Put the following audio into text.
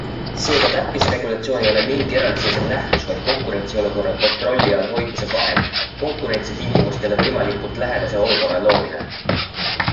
Seega täppisregulatsioon ei ole mingi eraldiseisev nähtus vaid konkurentsiolukorra kontrolli all hoidmise vahend, konkurentsitingimustele võimalikult lähedase olukorra loomine.